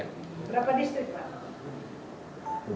berapa distrik pak